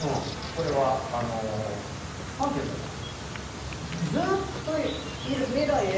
これはあの何ていうんだろうな。